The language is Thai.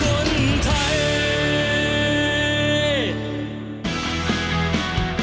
เพื่อคนไทย